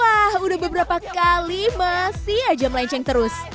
wah udah beberapa kali masih aja melenceng terus